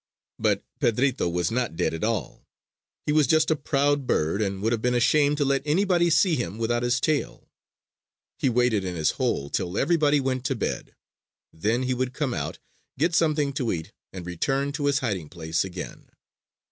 But Pedrito was not dead at all. He was just a proud bird; and would have been ashamed to let anybody see him without his tail. He waited in his hole till everybody went to bed; then he would come out, get something to eat, and return to his hiding place again.